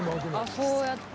あっそうやって。